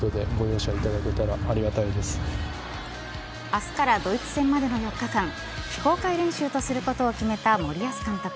明日からドイツ戦までの４日間非公開練習とすることを決めた森保監督。